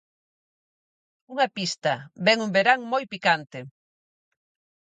Unha pista, vén un verán moi picante.